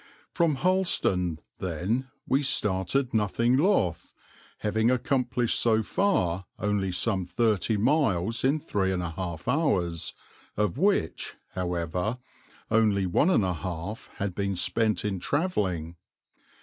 From Harleston, then, we started nothing loth, having accomplished so far only some thirty miles in 3 1/2 hours, of which, however, only 1 1/2 had been spent in travelling.